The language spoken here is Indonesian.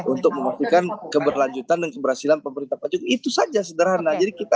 untuk memastikan keberlanjutan dan keberhasilan pemerintah pancu itu saja sederhana jadi kita